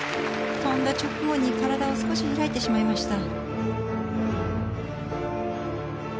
跳んだ直後に体を少し開いてしまいました。